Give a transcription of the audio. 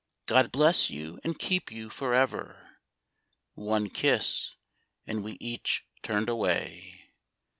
" God bless you and keep you forever." One kiss, — and we each turned away.